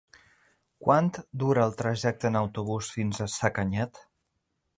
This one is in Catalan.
Quant dura el trajecte en autobús fins a Sacanyet?